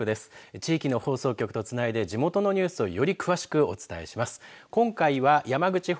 地域の放送局とつないで地元のニュースをより詳しくお伝えします。